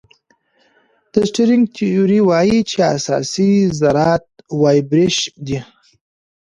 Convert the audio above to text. د سټرینګ تیوري وایي چې اساسي ذرات وایبریشن دي.